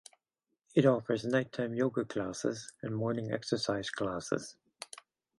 It offers nighttime yoga classes and morning exercise classes.